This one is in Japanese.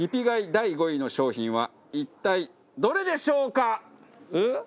第５位の商品は一体どれでしょうか？